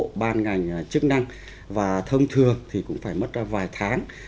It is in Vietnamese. bộ ban ngành chức năng và thông thường thì cũng phải mất vài tháng